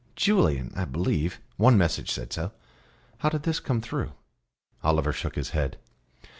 "Julian, I believe. One message said so." "How did this come through?" Oliver shook his head.